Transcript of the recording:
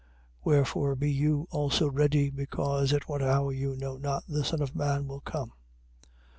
24:44. Wherefore be you also ready, because at what hour you know not the Son of man will come.